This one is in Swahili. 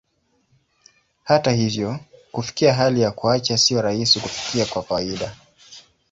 Hata hivyo, kufikia hali ya kuacha sio rahisi kufikia kwa kawaida.